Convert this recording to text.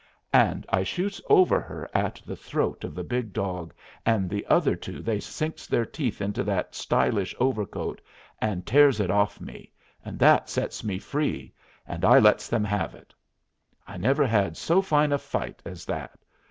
And I shoots over her at the throat of the big dog, and the other two they sinks their teeth into that stylish overcoat and tears it off me, and that sets me free, and I lets them have it. I never had so fine a fight as that!